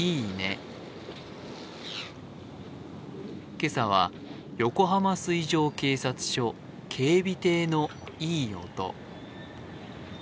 今朝は横浜水上警察署、警備艇のいい音。